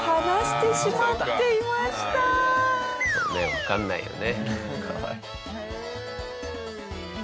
わからないよね。